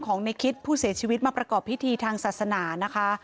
ในคิดผู้เสียชีวิตมาประกอบพิธีทางศาสนานะคะ